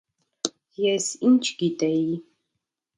Ես ի՛նչ գիտեի…